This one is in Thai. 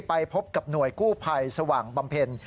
ไปพบกับหน่วยกู้ภัยสว่างบำเพ็ญ